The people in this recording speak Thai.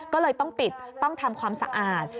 ก็เลยต้องปิดต้องทำความสะอาด